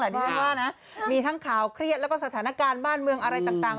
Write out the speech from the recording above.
แต่ดิฉันว่านะมีทั้งข่าวเครียดแล้วก็สถานการณ์บ้านเมืองอะไรต่าง